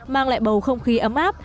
mang lại bầu không khí ấm áp